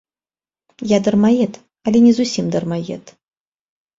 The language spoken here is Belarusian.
Я дармаед, але не зусім дармаед.